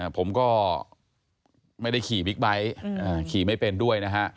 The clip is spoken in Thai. ผมก็ไม่ได้ขี่บิ๊กไบท์ขี่ไม่เป็นด้วยนะฮะ